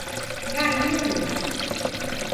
Galinhos